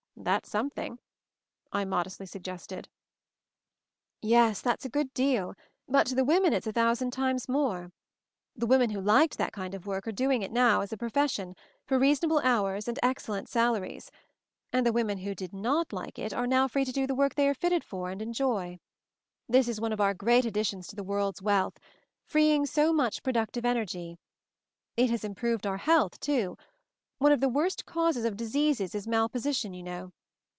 "That's something," I modestly suggested. "Yes, that's a good deal ; but to the women it's a thousand times more. The women who liked that kind of work are doing it now, as a profession, for reasonable hours and ex cellent salaries ; and the women who did not 158 MOVING THE MOUNTAIN like it are now free to do the work they are fitted for and enjoy. This is one of our great additions to the world's wealth — free ing so much productive energy. It has im proved our health, too. One of the worst causes of disease is mal position, you know.